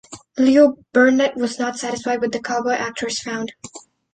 Leo Burnett was not satisfied with the cowboy actors found.